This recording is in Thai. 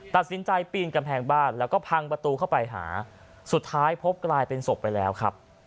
ตัดสินใจปีนกำแพงบ้านแล้วก็พังประตูเข้าไปหาสุดท้ายพบกลายเป็นศพไปแล้วครับ